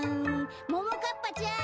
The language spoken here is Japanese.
・ももかっぱちゃん